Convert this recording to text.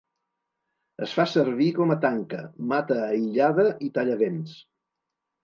Es fa servir com a tanca, mata aïllada i tallavents.